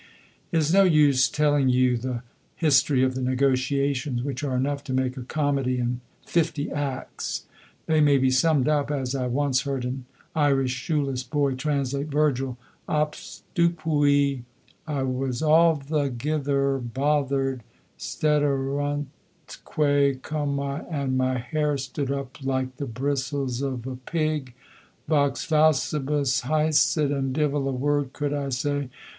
It is no use telling you the history of the negotiations, which are enough to make a comedy in 50 acts. They may be summed up as I once heard an Irish shoeless boy translate Virgil: Obstupui, "I was althegither bothered" steteruntque comae, "and my hair stood up like the bristles of a pig" vox faucibus haesit, "and divil a word could I say."